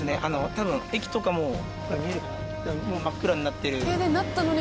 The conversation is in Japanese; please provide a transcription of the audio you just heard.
多分駅とかももう真っ暗になってるので。